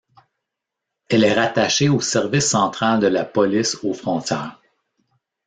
Elle est rattachée au Service central de la Police aux Frontières.